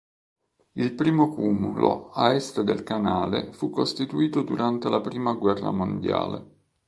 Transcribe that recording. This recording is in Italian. Il primo cumulo ad est del canale fu costituito durante la prima guerra mondiale.